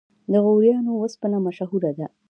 د غوریان وسپنه مشهوره ده